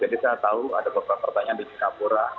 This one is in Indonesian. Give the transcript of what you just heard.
jadi saya tahu ada beberapa pertanyaan di sinapura